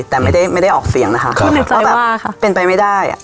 แต่ไม่ได้ไม่ได้ออกเสียงนะคะก็นึกว่าแบบเป็นไปไม่ได้อ่ะ